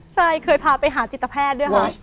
ใช่เคยพาไปหาจิตแพทย์ด้วยค่ะ